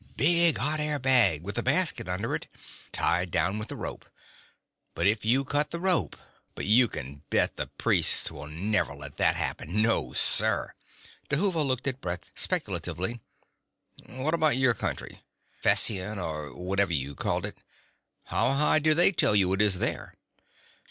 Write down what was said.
Big hot air bag, with a basket under it. Tied down with a rope. But if you cut the rope...! But you can bet the priests will never let that happen, no, sir." Dhuva looked at Brett speculatively. "What about your county: Fession, or whatever you called it. How high do they tell you it is there?"